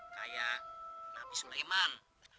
kayak nabi sulaiman